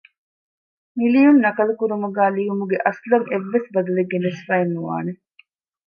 މިލިޔުން ނަކަލުކުރުމުގައި ލިޔުމުގެ އަސްލަށް އެއްވެސް ބަދަލެއް ގެނެސްފައެއް ނުވާނެ